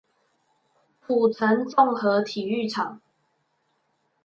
土城綜合體育場